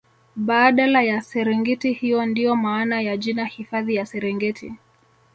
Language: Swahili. baadala ya serengiti hiyo ndio maana ya jina hifadhi ya Serengeti